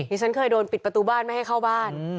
ฉันเคยโดนปิดประตูบ้านไม่ให้เข้าบ้าน